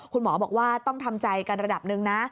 คุณหมอบอกว่าต้องทำใจกันระดับหนึ่งนะ